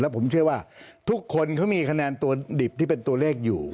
ผมเชื่อว่าทุกคนเขามีคะแนนตัวดิบที่เป็นตัวเลขอยู่